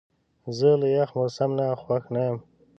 زه له یخ موسم نه خوښ نه یم.